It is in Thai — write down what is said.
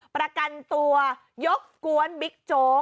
ประกันตัวยกร้วมเกลียจ